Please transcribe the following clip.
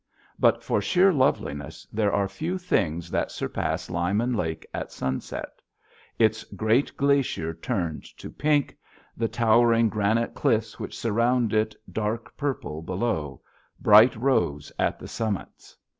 But for sheer loveliness there are few things that surpass Lyman Lake at sunset, its great glacier turned to pink, the towering granite cliffs which surround it dark purple below, bright rose at the summits.